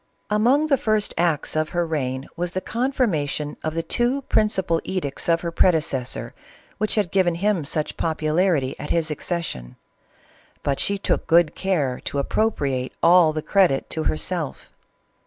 Among the first acts of her reign was the confirma tion of the two principal edicts of her predecessor, which had given him such popularity at his accession ; but she took good care to appropriate all the credit to herself.